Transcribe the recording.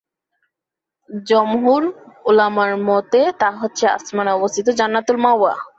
জমহুর উলামার মতে তা হচ্ছে আসমানে অবিস্থত জান্নাতুল মাওয়া।